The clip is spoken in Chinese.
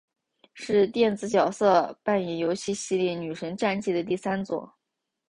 是电子角色扮演游戏系列女神战记的第三作。